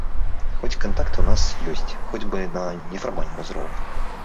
Хоць кантакты ў нас ёсць, хоць бы на нефармальным узроўні.